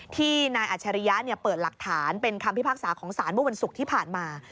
ที่นายอัชริยะเปิดหลักฐานเป็นคำพิพากษาของศาลเมื่อวันศุกร์ที่ผ่านมา